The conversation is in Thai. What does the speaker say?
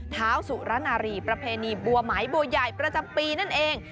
เท้าสุรนารีประเพณีบัวไหมบัวใหญ่ประจำปีนั่นเอง